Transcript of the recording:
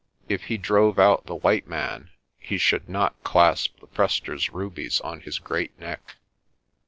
If he drove out the white man, he should not clasp the Prester's rubies on his great neck.